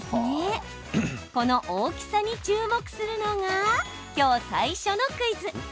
この大きさに注目するのが今日最初のクイズ。